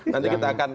nanti kita akan